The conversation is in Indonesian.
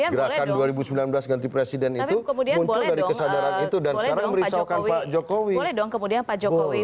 gerakan dua ribu sembilan belas ganti presiden itu muncul dari kesadaran itu dan sekarang merisaukan pak jokowi